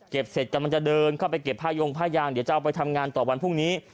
เสร็จกำลังจะเดินเข้าไปเก็บผ้ายงผ้ายางเดี๋ยวจะเอาไปทำงานต่อวันพรุ่งนี้